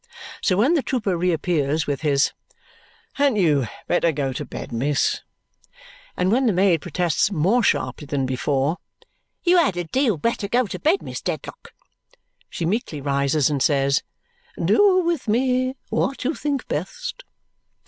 So when the trooper reappears with his, "Hadn't you better go to bed, miss?" and when the maid protests, more sharply than before, "You had a deal better go to bed, Miss Dedlock!" she meekly rises and says, "Do with me what you think best!"